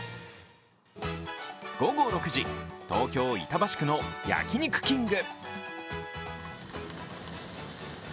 午後６時、東京・板橋区の焼肉きんぐ。